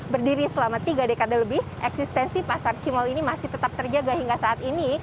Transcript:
berdiri selama tiga dekade lebih eksistensi pasar cimol ini masih tetap terjaga hingga saat ini